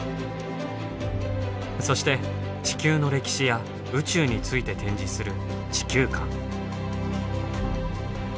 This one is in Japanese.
そして地球の歴史や宇宙について展示する地球館。